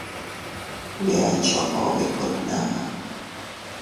Ndi a choʼo bikku tnaʼa.